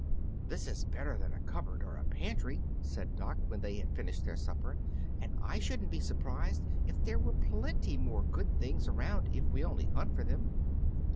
"This is better than a cupboard or a pantry," said Dock, when they had finished their supper, "and I shouldn't be surprised if there were plenty more good things around if we only hunt for them."